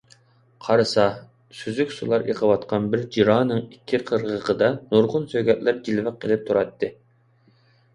قارىسا، سۈزۈك سۇلار ئېقىۋاتقان بىر جىرانىڭ ئىككى قىرغىقىدا نۇرغۇن سۆگەتلەر جىلۋە قىلىپ تۇراتتى.